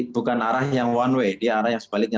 bukan arah yang one way di arah yang sebaliknya